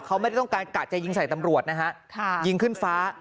เขาไม่ได้ต้องการกะจะยิงใส่ตำรวจนะฮะยิงขึ้นฟ้า